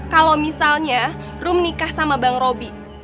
kalau misalnya rom nikah sama bang robi